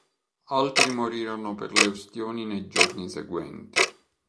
Altri morirono per le ustioni nei giorni seguenti.